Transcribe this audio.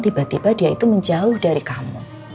tiba tiba dia itu menjauh dari kamu